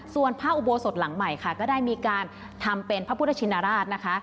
ส่วนพระอุโบสถหลังใหม่ค่ะก็ได้มีการทำเป็นพระพุทธชินราชนะคะ